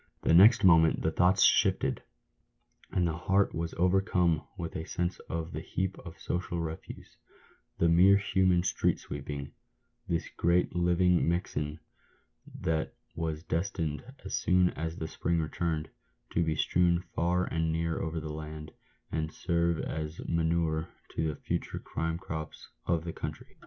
The next moment the thoughts shifted, and the heart was overcome with a sense of the heap of social refuse — the mere human street sweepings — this great living mixen, that was destined, as soon as the spring returned, to be strewn far and near over the land, and serve as manure to the future crime crops of the country.